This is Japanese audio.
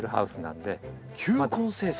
球根生産。